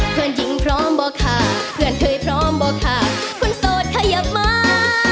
จริงพร้อมบ่ค่ะเพื่อนเคยพร้อมบ่ค่ะคนโสดขยับมา